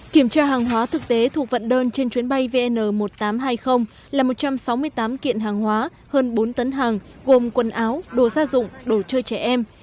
kiểm tra hàng hóa thực tế thuộc vận đơn trên chuyến bay vn một nghìn tám trăm hai mươi là một trăm sáu mươi tám kiện hàng hóa hơn bốn tấn hàng gồm quần áo đồ gia dụng đồ chơi trẻ em